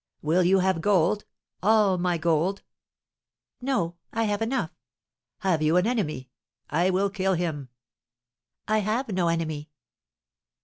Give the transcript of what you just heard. "Will you have gold, all my gold?" "No, I have enough." "Have you an enemy? I will kill him." "I have no enemy."